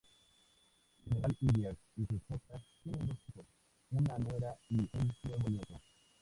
General Hillier y su esposa tienen dos hijos, una nuera y un nuevo nieto.